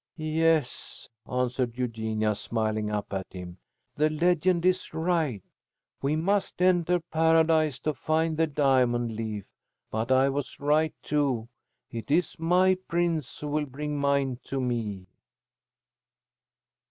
"Yes," answered Eugenia, smiling up at him. "The legend is right. We must enter Paradise to find the diamond leaf. But I was right, too. It is my prince who will bring mine to me."